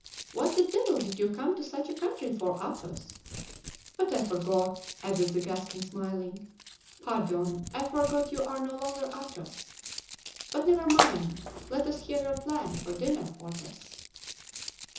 What the devil did you come to such a country for, Athos? But I forgot," added the Gascon, smiling, "pardon, I forgot you are no longer Athos; but never mind, let us hear your plan for dinner, Porthos."